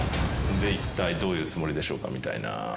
でいったいどういうつもりでしょうかみたいな。